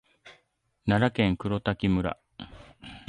奈良県黒滝村